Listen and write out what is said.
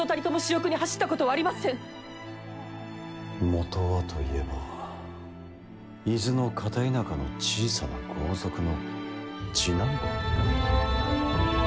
元はといえば伊豆の片田舎の小さな豪族の次男坊。